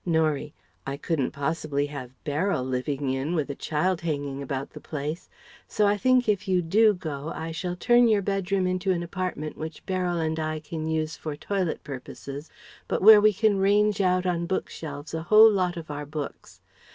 Norie: "I couldn't possibly have Beryl 'living in,' with a child hanging about the place; so I think if you do go I shall turn your bedroom into an apartment which Beryl and I can use for toilet purposes but where we can range out on book shelves a whole lot of our books.